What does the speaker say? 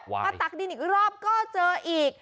มาตักดินอีกรอบก็เจออีก